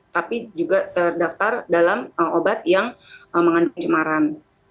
tapi juga terdaftar dalam obat yang mengandung cemaran